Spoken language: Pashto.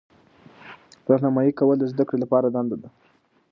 راهنمایي کول د زده کړې لپاره دنده ده.